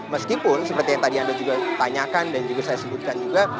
meskipun seperti yang tadi anda juga tanyakan dan juga saya sebutkan juga